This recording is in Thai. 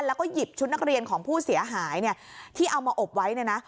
แล้วก็หยิบชุดนักเรียนของผู้เสียหายเนี่ยที่เอามาอบไว้เนี่ยนะ